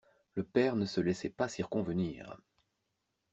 Le père ne se laissait pas circonvenir.